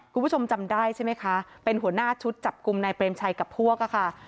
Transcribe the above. คุณผู้ชมจำได้ใช่ไหมคะเป็นหัวหน้าชุดจับกลุ่มนายเปรมชัยกับพวกค่ะ